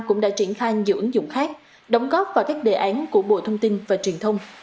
cũng đã triển khai nhiều ứng dụng khác đóng góp vào các đề án của bộ thông tin và truyền thông